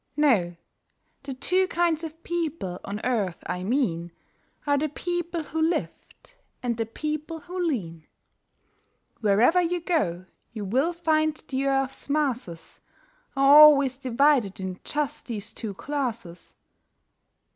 No; the two kinds of people on earth I mean Are the people who lift, and the people who lean. Wherever you go, you will find the earth's masses Are always divided in just these two classes.